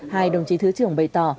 hai đồng chí thứ trưởng bày tỏ